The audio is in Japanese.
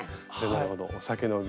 なるほどお酒の瓶。